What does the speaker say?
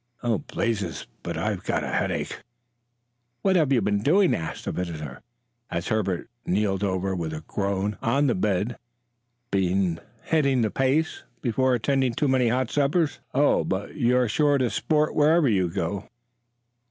Oh, blazes! but I have got a headache!" "What have you been doing?" asked the visitor, as Herbert keeled over, with a groan, on the bed. "Been hitting the pace? Been attending too many hot suppers? Oh, but you're sure to sport wherever you go!"